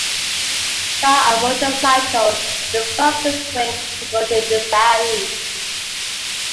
Car and motorcycle is the fastest way to go to Desaru.